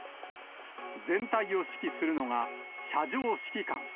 全体を指揮するのが射場指揮官。